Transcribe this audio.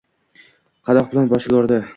Qoʻndoq bilan boshiga urdi.